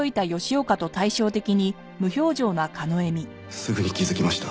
すぐに気づきました。